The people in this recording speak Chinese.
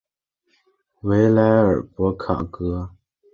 维莱尔博卡格。